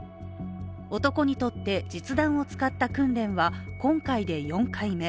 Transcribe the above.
男にとって、実弾を使った訓練は今回で４回目。